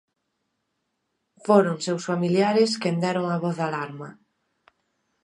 Foron seus familiares quen deron a voz de alarma.